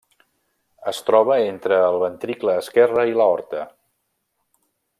Es troba entre el ventricle esquerre i l'aorta.